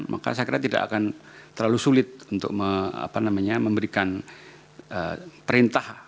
maka saya kira tidak akan terlalu sulit untuk memberikan perintah